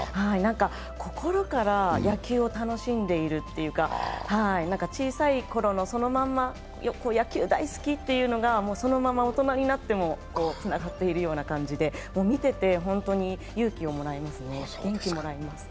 心から野球を楽しんでいるというか、小さいころのそのまんま、野球大好きっていうのがそのまま大人になってもつながっているような感じで見ていて本当に勇気をもらいますね、元気をもらいます。